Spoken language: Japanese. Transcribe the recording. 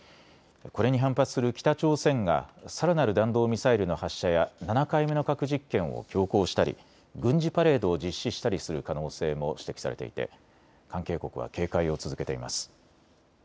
これに反発する北朝鮮がさらなる弾道ミサイルの発射や７回目の核実験を強行したり軍事パレードを実施したりする可能性も指摘されていて関係国は警戒を続けています。